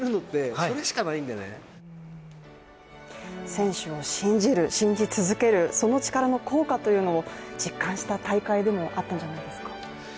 選手を信じる、信じ続ける、その力の効果というのを実感した大会でもあったんじゃないですか？